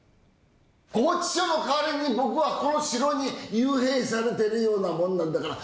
拘置所の代わりに僕はこの城に幽閉されてるようなもんなんだから。